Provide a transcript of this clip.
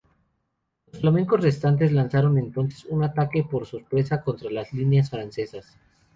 Los flamencos restantes lanzaron entonces un ataque por sorpresa contra las líneas francesas.